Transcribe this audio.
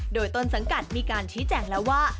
โดยต้นสังกัดมีการชี้แจงแล้วว่า